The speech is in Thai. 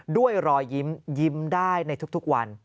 ด้วยรอยยิ้มยิ้มได้ในทุกวัน